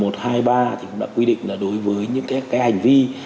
thì cũng đã quy định là đối với những cái hành vi